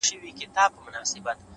بریا له تمرکز سره مل وي’